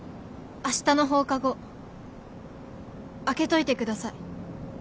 明日の放課後空けといて下さい。